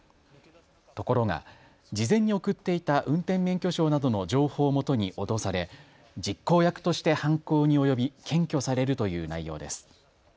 ところが事前に送っていた運転免許証などの情報をもとに脅され実行役として犯行に及び検挙されるという内容です。